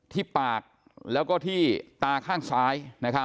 ที่ปากแล้วก็ที่ตาข้างซ้าย